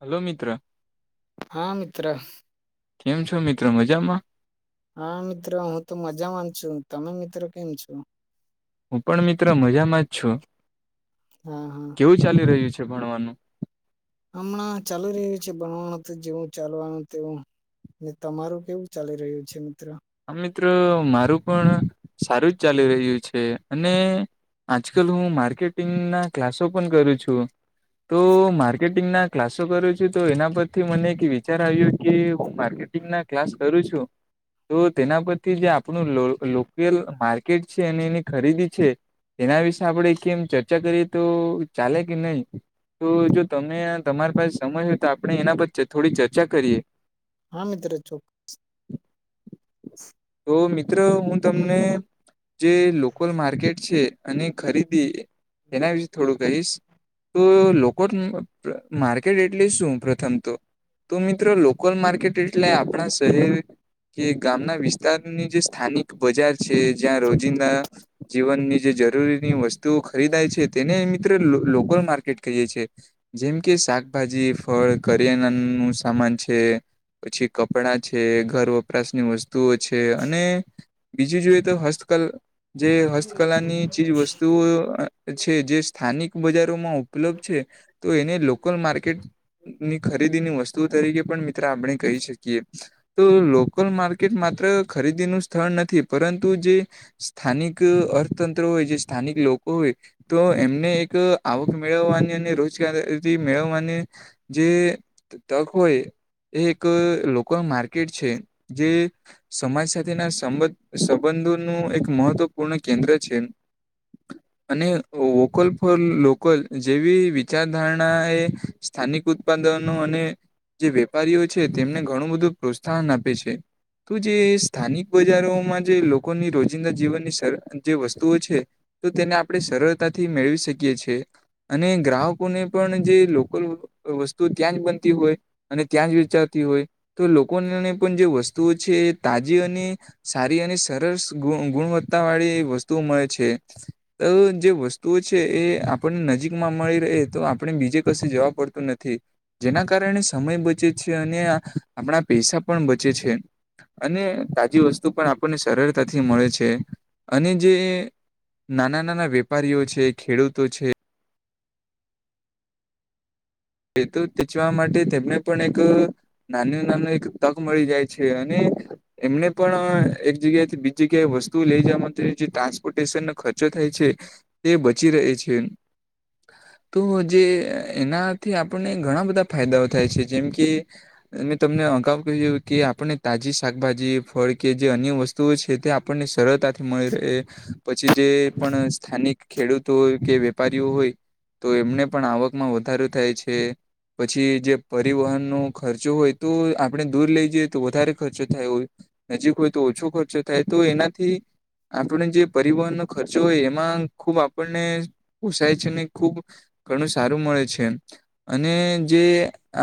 Hello મિત્ર, હા મિત્ર, કેમ છો મિત્ર મજામાં? હા મિત્ર હું તો મજા માં છું તમે મિત્ર કેમ છો? હું પણ મિત્ર મજામાં જ છું. હા હા. કેવું ચાલી રહ્યું છે ભણવાનું? હમણાં ચાલુ રહ્યું છે ભણવાનું તો જેવું ચાલવાનું તેવું ને તમારું કેવું ચાલી રહ્યું છે મિત્ર? આમ મિત્ર મારું પણ સારું જ ચાલી રહ્યું છે અને આજકાલ હું માર્કેટિંગના કલાસો પણ કરું છું. તો માર્કેટિંગના ક્લાસો કરુ છું તો એના પરથી મને એક વિચાર આવ્યો કે માર્કેટ ટિંગના ક્લાસ કરું છું તો તેના પરથી જે આપણું લો લોકેલ માર્કેટ છે અને એની ખરીદી છે એના વિશે આપડે કેમ ચર્ચા કરીએ તો ચાલે કે નય? તો જો તમે તમારી પાસે સમય હોય તો આપણે એના પર થોડી ચર્ચા કરીએ. હા મિત્ર ચો તો મિત્ર હું તમને જે લોકલ માર્કેટ છે અને ખરીદી એના વિશે થોડું કહીશ. તો લોકોન માર્કેટ એટલે શું પ્રથમ તો તો મિત્ર લોકલ માર્કેટ એટલે આપણા શહેર કે ગામના વિસ્તારની જે સ્થાનિક બજાર છે જ્યાં રોજિંદા જીવનની જે જરૂરીની વસ્તુઓ ખરીદાય છે તેને મિત્ર લો લોકલ માર્કેટ કહીએ છીયે. જેમ કે શાકભાજી ફળ કરિયાણાનું સામાન છે. પછી કપડાં છે ઘર વ પરાશની વસ્તુઓ છે અને બીજું જોઈએ તો હસ્તકલ જે હસ્તકલાની ચીજવસ્તુઓ અ છે જે સ્થાનિક બજારોમાં ઉપલબ્ધ છે તો એને લોકલ માર્કેટની ખરીદીની વ સ્તુ તરીકે પણ મિત્ર આપણે કહી શકીએ તો લો કલ માર્કેટ માત્ર ખરીદીનું સ્થળ નથી પરંતુ જે સ્થાનિક અર્થતંત્ર હોય જે સ્થાનિક લોકો હોય, તો એમને એક આવક મેળવવાની અને રોજગાર રી મેળવવાની જે તક હોય એ એક લોકલ માર્કેટ છે. જે સમાજ સાથેના સંબં સંબંધોનું એક મહત્વપૂર્ણ કેન્દ્ર છે. અને વોકલ ફોર લોકલ જેવી વિચારધારણા એ સ્થાનિક ઉત્પાદનો અને જે વેપારીઓ છે તેમને ઘણું બધું પ્રોત્સાહન આ પે છે. તો જે સ્થાનિક બજારોમાં જે લોકોની રોજિંદા જીવનની સર જે વસ્તુઓ છે, તો તેને આપડે સરળતાથી મેળવી શકીએ છે. અને ગ્રાહકોને પણ જે લોકલ વસ્તુ ત્યાં જ બનતી હોય અને ત્યાં જ વેચાતી હોય તો લોકોને પણ જે વસ્તુઓ છે એ તાજી અને સારી અને સરળ ગુણ ગુણવત્તાવાળી વસ્તુઓ મળે છે. તો જે વસ્તુઓ છે એ આપણને નજીકમાં મળી રહે તો આપણે બીજે કશે જવા પડ તું નથી જેના કારણે સમય બચે છે અને આપણા પૈસા પણ બચે છે. અને તાજી વસ્તુ પણ આપણને સરળતાથી મળે છે અને જે નાના નાના વેપારીઓ છે ખેડૂતો છે તે તો વેચવા માટે તેમને પણ એક નાનું નાનું એક તક મળી જાય છે અને એમને પણ એક જગ્યા થી બીજી જગ્યાએ વસ્તુ લઇ જવા માટે જે ટ્રાન્સપોર્ટેશનનો ખર્ચો થાય છે. તે બચી રહે છે તો જે એના. થી આપણને ઘણા બધા ફાયદાઓ થાય છે જેમ કી મેં તમને અગાઉ કહ્યું કે આપણે તાજી શાકભાજી ફળ કે જે અન્ય વસ્તુ વસ્તુઓ છે તે આપણને સરળતાથી મળી રહે. પછી જે પણ સ્થાનિક ખેડૂતોય કે વેપારીઓ હોય. તો એમને પણ આવકમાં વધારો થાય છે. પછી જે પરિવહનનો ખર્ચો હોય તો આપણે દૂર લઈ જઈએ તો વધારે ખર્ચો થાય હોય. નજીક હોય તો ઓછો ખર્ચો થાય તો એનાથી આપણને જે પરિવહનનો ખર્ચો હોય એમાં ખુબ આપણને પોસાય છે ને ખુબ ઘણું સારું મળે છે એમ. અને જે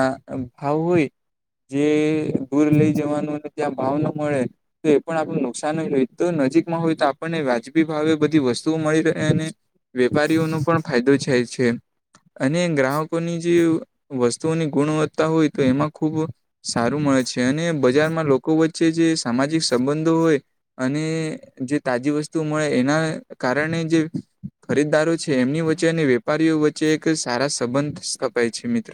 આ ભાવ હોય. જે દુર લઈ જવાનુંને ત્યાં ભાવના મળે તો એ પણ આપણ નુકસાન હોય હોય તો નજીકમાં હોય તો આપણને વાજબી ભાવે બધી વસ્તુઓ મળી રહે અને વેપારીઓનો પણ ફાયદો થાય છે અને ગ્રાહકો ની જે વસ્તુઓની ગુણવત્તા હોય તો એમાં ખૂબ સારું મળે છે અને બજારમાં લોકો વચ્ચે જે સામાજિક સંબંધો હોય અને જે તાજી વસ્તુ મળે એના કારણે જે ખરીદદારો છે એમની વચ્ચે અને વેપારીઓ વચ્ચે એક સારા સંબંધ સ્થપાય છે મિત્ર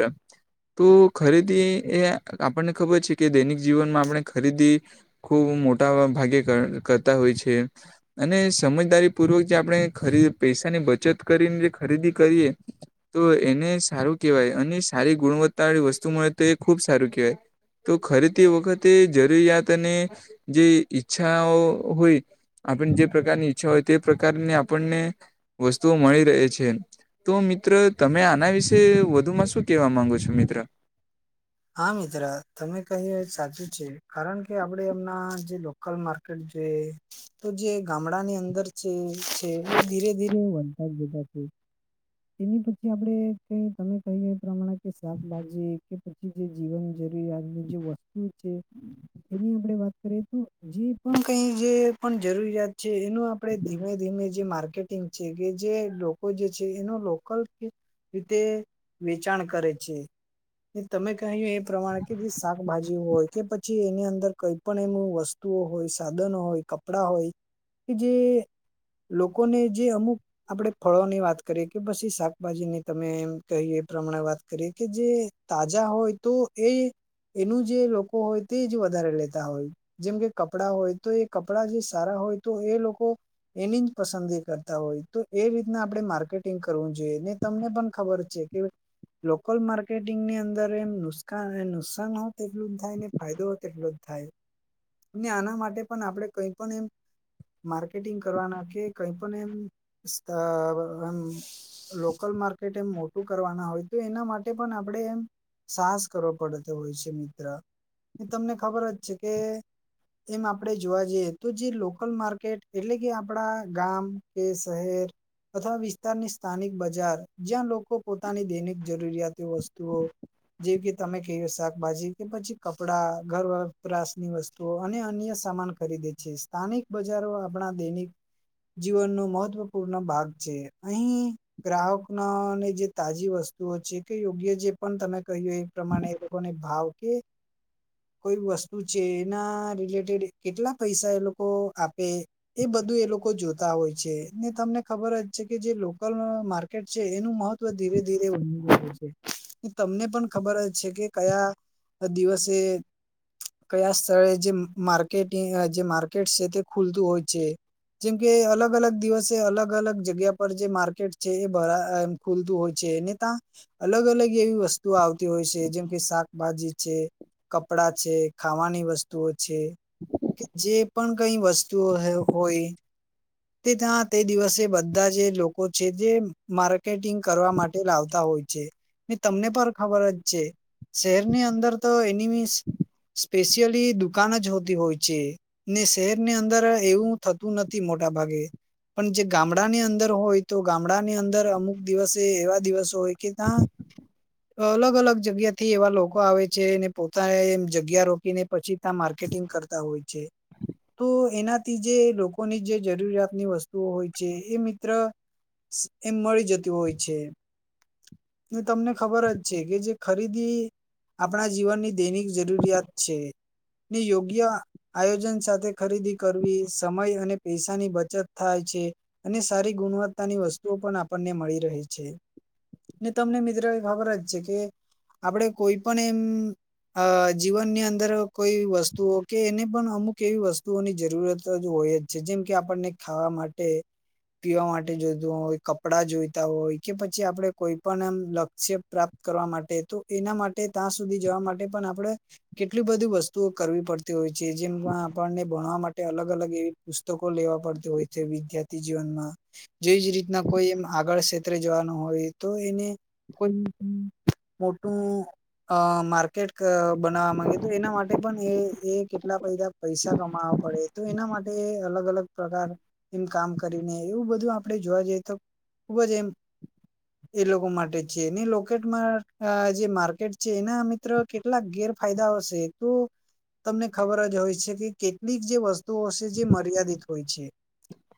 તો ખરીદી એ આપણને ખબર છે કે દૈનિક જીવનમાં આપણે ખરીદી ખુબ મોટા ભાગે કરતા હોય છે. અને સમજદારી પૂર્વક જે આપણે ખરી પૈસાની બચત કરીને જે ખરીદી કરીએ. તો એને સારું કહેવાય અને સારી ગુણવત્તા વાળી વસ્તુ મળે તો એ ખુબ સારું કહેવાય તો ખરે તે વખતે જરૂરિયાત અને જે ઈચ્છાઓ હોય આપણે જે પ્રકારની ઈચ્છા હોય તે પ્રકારની આપણને વસ્તુઓ મળી રહે છે તો મિત્રો તમે આના વિશે વધુમાં શું કેવા માંગુ છો મિત્ર હા, મિત્ર તમે કહી સાચું છે કારણ કે આપડે એમના જે લોકલ માર્કેટ જે તો જે ગામડાની અંદર છે છે એ ધીરે ધીરે વતા જ જતા એની પછી આપડે કઈ તમે કહીએ એ પ્રમાણે કે શાકભાજી કે પછી જે જીવન જરૂરી આજની જે વસ્તુ છે. એની આપડે વાત કરી હતી તો જે પણ કઈ જે પણ જરૂરિયાત છે એનું આપડે ધીમે ધીમે જે માર્કેટિંગ છે કે જે લોકો જે છે. એનો લોકલ રીતે વેચાણ કરે છે. એ તમે કહ્યું એ પ્રમાણે કે જે શાકભાજી હોય કે પછી એની અંદર કઈ પણ એમ વસ્તુ. વસ્તુ હોય, સાધનો હોય, કપડા હોય કે જે લોકોને જે અમુક આપડે ફળોની વાત કરી કે પછી શાકભાજી ની તમે એમ કહીએ પ્રમાણે વાત કરીએ કે જે તાજા હોય તો એ એનું જે લોકો હોય તે જ વધારે લેતા હોય. જેમ કે કપડાં હોય તો એ કપડા જે સારા હોય તો એ લોકો. એની જ પસંદગી કરતા હોય તો એ રીતના આપણે માર્કેટ ટીન્સ કરવું જોઈએ ને તમને પણ ખબર છે કે લોકલ માર્કેટિંગની અંદર એમ નુષ્કા નુકસાન એટલું જ થાય ફાયદો તેટલો જ થાય આના માટે પણ આપણે કઈ પણ એમ માર્કેટિંગ કરવાના કે કઈ પણ એમ સ્તર એમ લોકલ માર્કેટ એમ મોટું કરવાના હોય તો એના માટે પણ આપડે એમ સાહસ કરવો પડતો હોય છે મિત્ર તો તમને ખબર જ છે કે એમ આપડે જોવા જઈએ તો જે લોકલ માર્કેટ એટલે કે આપડા ગામ કે શહેર અથવા વિસ્ તારની સ્થાનિક બજાર જ્યાં લોકો પોતાની દૈનિક જરૂરિયાતી વસ્તુઓ જેવી કે તમે કહીએ શાકભાજી કે પછી કપડા, ઘર વપરાશની વસ્ તુઓ અને અન્ય સામાન ખરીદે છે સ્થાનિક બજારો આપણા દૈનિક જીવનનો મહત્વપૂર્ણ ભાગ છે અહી. ગ્રાહકનો ને જે તાજી વસ્તુઓ છે કે યોગ્ય જે પણ તમે કહ્યું એ પ્રમાણે એ લોકોને ભાવ કે [inaudible] કોઈ વસ્તુ છે એના રિલેટેડ કેટલા પૈસા એ લોકો આપે એ બધું એ લોકો જોતા હોય છે ને તમને ખબર જ છે કે જે લોકલ માર્કેટ છે એનું મહત્વ ધીરે-ધીરે [unintelligible] રહ્યું છે. તો તમને પણ ખબર જ છે કે કયા દિવસે. કયા સ્થળે જે માર્કેટિ અ જે માર્કેટ છે તે ખુલતું હોય છે. જેમ કે અલગ અલગ દિવસે અલગ અલગ. જગ્યા પર જે માર્કેટ છે એ ભરા અ ખુલતું હોય છે ને તા અલગ અલગ એવી વસ્તુઓ આવતી હોય છે કે શાકભાજી છે, કપડા છે, ખાવાની વસ્તુઓ છે જે પણ કઈ વસ્તુઓ હોય તે ત્યાં તે દિવસે બ ધા જે લોકો છે જે માર્કેટિંગ કરવા માટે લાવતા હોય છે. ને તમને પર ખબર જ છે શહેરની અંદર તો એની મિસ. સ્પેશિયલી દુકાન જ હોતી હોય છે. ને શહેરની અંદર એવું થતું નથી મોટા ભાગે પણ જે ગામ ડાની અંદર હોય તો ગામડાની અંદર અમુક દિવસે એવા દિવસો હોય તા અલગ અલગ જગ્યાથી એવા લોકો આવે છે ને પોતાએ જગ્યા રોકીને પછી તા માર્કેટિંગ કરતા હોય છે. તો એનાથી જે લોકોની જે જરૂરિયાતની વસ્તુઓ હોય છે એ મિત્ર એમ મળી જતી હોય છે. ને તમને ખબર જ છે કે જે ખરીદી આપણા જીવનની દૈનિક જરૂરિયાત છે ને યોગ્ય આયોજન સાથે ખરીદી કરવી, સમય અને પૈસાની બચત થાય છે અને સારી ગુણવત્તાની વસ્તુઓ પણ આપણને મળી રહી છે. ને તમને મિત્ર એ ખબર જ છે કે આપડે કોઈ પણ એમ અ જીવનની અંદર કોઈ વસ્તુઓ કે એને પણ અમુક એવી વસ્તુઓની જરૂરત જ હોય જ છે જેમ કે આપણને ખાવા માટે, પીવા માટે જોઈતું હોય, કપડા જોઈતા હોય કે પછી આપડે કોઈ પણ એમ લક્ષ્ય પ્રા કરવા માટે તો એના માટે તા સુધી જવા માટે પણ આપડે કેટલી બધી વસ્તુઓ કરવી પડતી હોય છે જેમ આપણને ભણવા માટે અલગ અલગ એવી પુસ્તકો લેવા પડતી હોય છે વિદ્યાર્થી જીવનમાં. જે એજ રીતના કોઈ એમ આગળ ક્ષેત્રે જવાનું હોય તો એને કોઈ [inaudible] મોટું અ માર્કેટ બનાવા માંગે તો એના માટે પણ એ એ કેટલા પૈદા પૈસા કમાવા પડે તો એના માટે એ અલગ અલગ પ્રકાર એમ કામ કરીને એવું બધું આપડે જોવા જઈએ તો ખુબ જ એમ એ લોકો માટે છે, ને લોકેટમાં અ જે માર્કેટ છે એના મિત્ર કેટલાક ગેરફાયદા. [unintelligible] તમને ખબર જ હોય છે કે કેટલીક જે વસ્તુઓ અસે જે મર્યાદિત હોય છે.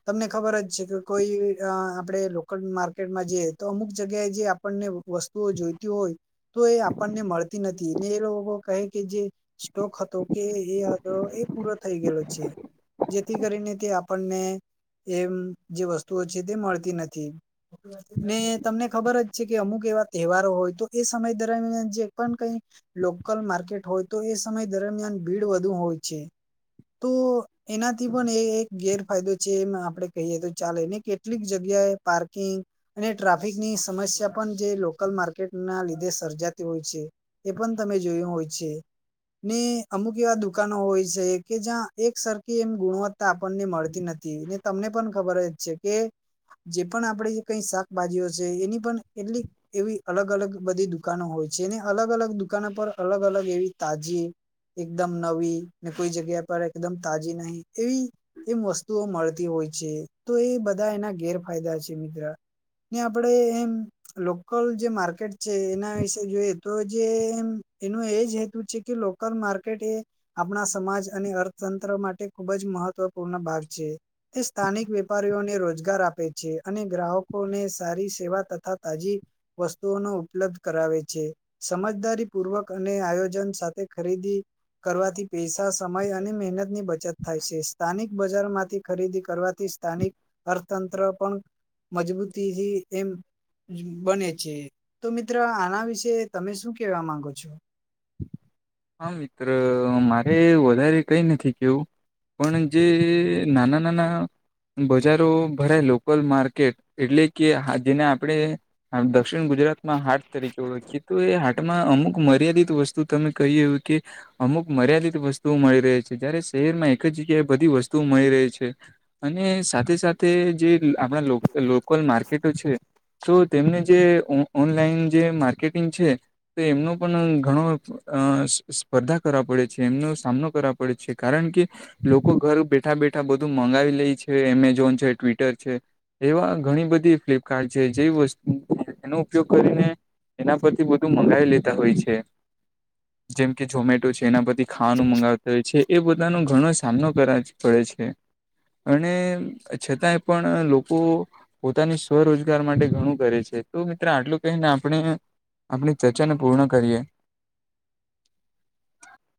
તમને ખબર જ છે કે કોઈ અ આપળે લોકલ માર્કેટમાં જઈએ તો અમુક જગ્યાએ જે આપણને વસ્ તુઓ જોઈતી હોય તો એ આપણને મળતી નથી ને એ લોકો કૈય કે જે સ્ટોક હતો કે એ હતો એ પૂરો થૈ ગૈલો છે. જેથી કરીને તે આપંને એમ જે વસ્તુઓ છે તે મળતી નથી, ને તમને ખબર જ છે કે અમુક એવા તેવારો હોય તો એ સમય દરમિયાન જે પણ કઈ લોકલ માર્કેટ હોય તો એ સમય દરમિયાન ભીડ વધુ હોય છે. તો, એનાથી પણ એ એક ગેરફાયદો જ જેમ આપળે કૈએ તો ચાલે, ને કેટલીક જગ્યાએ પાર્કિંગ અને ટ્રાફિકની સમસ્યા પણ જે લોકલ માર્કેટ ના લીધે સર્જાતી હોય છે. એ પણ તમે જોયું હોય છે. ને અમુક એવા દુકાનો હોય સે કે જ્યાં એક સરખી એમ ગુણવત્તા આપણને મળતી નથી. થી, ને તમને પણ ખબર જ છે કે જે પણ આપળી કઈ શાકભાજીઓ છે એની પણ એટલી એવી અલગ અલગ બધી દુકાનો હોય છે, ને અલગ અલગ દુકાનો પર અલગ અલગ એવી તાજી એકદમ નવી, ને કોઈ જગ્યા પર એકદમ તાજી નહી એવી [unintelligible] વસ્ તુઓ મળતી હોય છે, તો એ બધા એના ગેરફાયદા છે મિત્ર. ને આપળે એમ લોકલ જે માર્કેટ છે એના વિશે જોઈએ તો જે એમ એનું એજ હેતુ છે કે લો કલ માર્કેટ એ આપણા સમાજ અને અર્થતંત્ર માટે ખુબ જ મહત્વપૂર્ણ ભાગ છે. એ સ્થાનિક વેપારીઓને રોજગાર આપે છે અને ગ્રાહકોને સારી સેવા તથા તાજી વસ્તુઓનો ઉપલબ્ધ કરાવે છે. સમજદારી પૂર્વક અને આયોજન સાથે ખરીદી કરવાથી પેસા, સમય અને મહેનતની બચત થાય છે. સ્થાનિક બજારમાં થી ખરીદી કરવાથી સ્થાનિક અર્થતંત્ર પણ મજબૂતીથી એમ બને છે, તો મિત્ર આના વિશે તમે શું કેવા માંગો છો? હા, મિત્ર મારે વધારે કઈ નથી કેવું પણ જે નાના નાના બજારો ભરાય લોકલ માર્કેટ એટલે કે હા જેને આપળે આમ દક્ષિણ ગુજરાતમાં હાટ તરીકે ઓળખી તો એ હાટમાં અમુક મર્યાદિત [unintelligible] વસ્તુ તમે કૈએ એવુ કે અમુક મર્યાદિત વસ્તુઓ મળી રહે છે, જ્યારે શેહેરમાં એક જ જગ્યાએ બધી વસ્તુઓ મળી રહે છે. અને સાથે સાથે જે લ આપળા લોક લોકલ માર્કેટો છે તો તેમને જે ઓ ઓનલાઈન જે માર્કેટિંગ છે, તે એમનું પણ ઘણો અ સ સ્પર્ધા કરવા પડે છે એમનો સામનો કરવા પડે છે, કારણ કે લોકો ઘર બેઠા બેઠા બધું મંગાવી લેય છે એમેઝોન છે, ટ્વિટર છે એવા ઘણી બધી ફ્લિપકાર્ટ છે, જે વસ્તુ એનો ઉપયોગ કરીને એના પરથી બધું મંગાવી લેતા હોય છે. જેમ કે ઝોમેટો છે એના પરથી ખાવાનું મંગાવતા હોય છે એ બધાનો ઘણો સામનો કરા જ પડે છે. અને અહ છતાંય પણ આ લોકો પોતાની સ્વ-રોજગાર માટે ઘણું કરે છે તો મિત્ર આટલું કહીને આપણે આપણી ચર્ચાને પૂર્ણ કરીએ.